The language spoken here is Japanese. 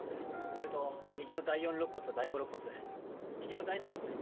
それと右の第４肋骨と第５肋骨右の大腿骨に骨折があります。